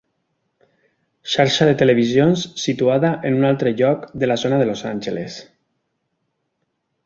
Xarxa de televisions situada en un altre lloc de la zona de Los Angeles.